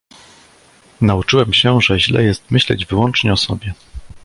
Nauczyłem się, że źle jest myśleć wyłącznie o sobie.